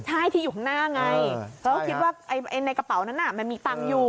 ใช่ที่อยู่ข้างหน้าไงเขาก็คิดว่าในกระเป๋านั้นมันมีตังค์อยู่